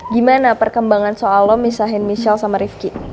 gimana perkembangan soal lo misahin michelle sama rifki